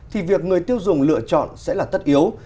thì việc người tiêu dùng lựa chọn sẽ là tất yếu